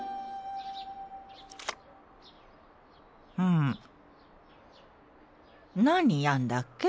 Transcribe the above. ん何やんだっけ？